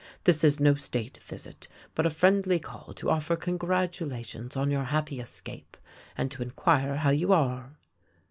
This is no state visit, but a friendly call to offer congra tulations on your happy escape, and to inquire how you are."